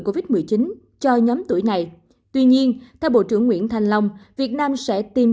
covid một mươi chín cho nhóm tuổi này tuy nhiên theo bộ trưởng nguyễn thành long việt nam sẽ tìm